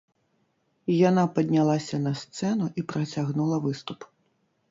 Яна паднялася на сцэну і працягнула выступ.